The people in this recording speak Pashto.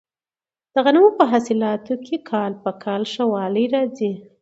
د غنمو په حاصلاتو کې کال په کال ښه والی راځي.